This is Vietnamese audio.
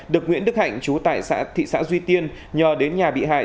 được nguyễn đức hạnh trú tại thị xã duy tiên nhờ đến nhà bị hại